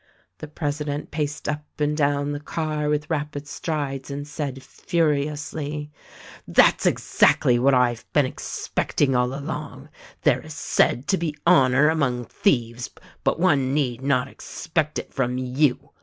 The president paced up and down the car with rapid strides and said furiously, "That's exactly what I've been expecting all along. There is said to be honor among thieves, but one need not expect it from you.